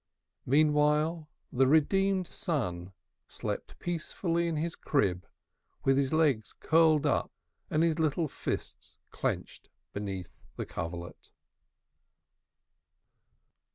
Meanwhile the Redeemed Son slept peacefully in his crib with his legs curled up, and his little fists clenched beneath the coverlet.